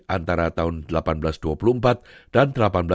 antara tahun seribu delapan ratus dua puluh empat dan seribu delapan ratus enam puluh